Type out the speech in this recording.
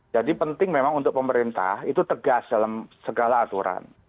jadi penting memang untuk pemerintah itu tegas dalam segala aturan